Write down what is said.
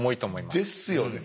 ですよね。